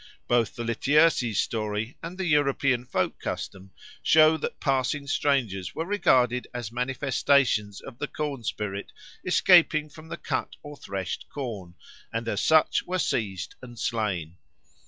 Both the Lityerses story and European folk custom show that passing strangers were regarded as manifestations of the corn spirit escaping from the cut or threshed corn, and as such were seized and slain.